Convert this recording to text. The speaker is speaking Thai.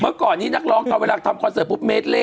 เพราะว่าก่อนนี้นักร้องตอนเวลาทำคอนเสิร์ตแล้วเมสเล่อ่ะ